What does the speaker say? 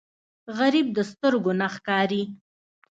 غریب د سترګو نه ښکارېږي